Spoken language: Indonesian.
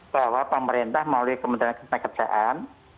bahwa pemerintah melalui kementerian kepenangan kerjaan